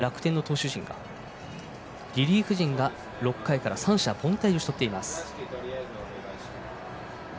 これで６回、７回、８回と今日は、楽天の投手陣がリリーフ陣が６回から三者凡退で打ち取っています。